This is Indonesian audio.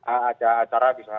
ada acara di sana